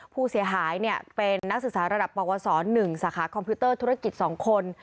ผู้เสียหายเป็นนักศึกษาระดับปวส๑สาขาคอมพิวเตอร์ธุรกิจ๒คน